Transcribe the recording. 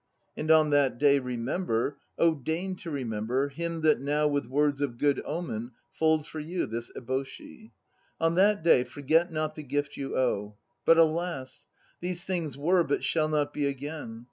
And on that day remember, Oh deign to remember, him that now with words of good omen Folds for you this eboshi. On that day forget not the gift you owe! But alas! These things were, but shall not be again.